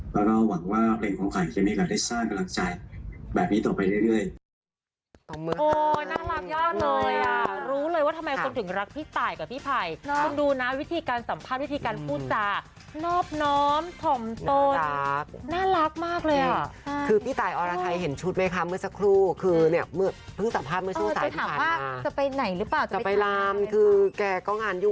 แล้วเราหวังว่าเพลงของขวัญอีกชิ้นนึงก็ได้สร้างกำลังใจแบบนี้ต่อไปเรื่อย